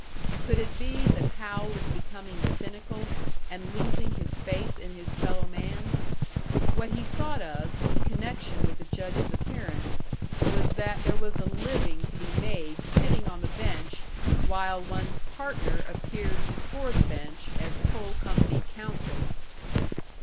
Could it be that Hal was becoming cynical, and losing his faith in his fellow man? What he thought of, in connection with the Judge's appearance, was that there was a living to be made sitting on the bench, while one's partner appeared before the bench as coal company counsel!